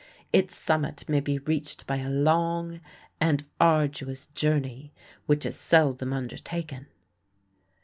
Its summit may be reached by a long and arduous journey, which is seldom undertaken.